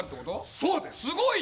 そうです。